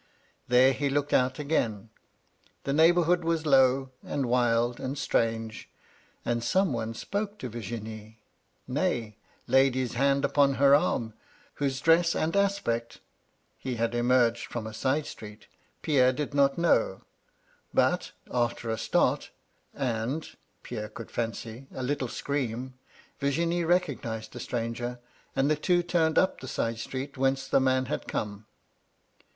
There he looked out again. The neighbourhood was low and wild, and strange ; and some one spoke to Virginie, — nay, laid his hand upon her arm, — ^whose dress and aspect (he had emerged out of a side street) Pierre did not know ; but, after a start, and (Pierre could fancy) a little scream, Virginie recognised the stranger, and the two turned up the side street whence the man had come.